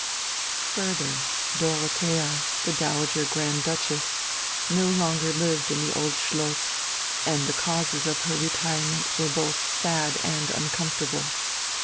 Further, Dorothea, the Dowager Grand Duchess, no longer lived in the Old Schloss, and the causes of her retirement were both sad and uncomfortable.